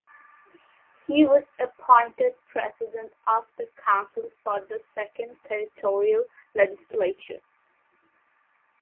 He was appointed President of the Council for the Second Territorial Legislature.